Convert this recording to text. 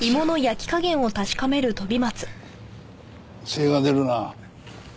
精が出るな。